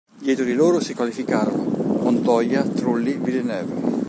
Dietro di loro si qualificarono Montoya, Trulli, Villeneuve.